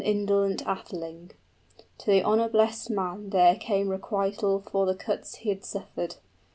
} An indolent atheling: to the honor blest man there Came requital for the cuts he had suffered.